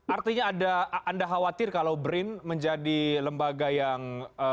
artinya ada anda khawatir kalau brin menjadi lembaga yang